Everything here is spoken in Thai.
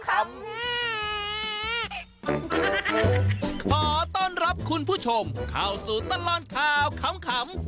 ขอต้อนรับคุณผู้ชมเข้าสู่ตลอดข่าวขำ